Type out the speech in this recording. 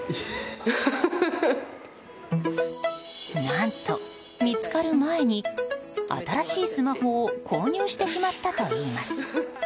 何と見つかる前に新しいスマホを購入してしまったといいます。